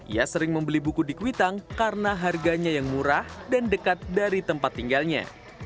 ia sering membeli buku di kuitang karena harganya yang murah dan dekat dari tempat tinggalnya